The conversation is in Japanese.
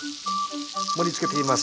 盛りつけていきます。